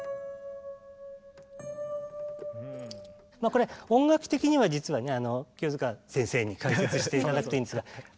これ音楽的には実はね清塚先生に解説して頂くといいんですが。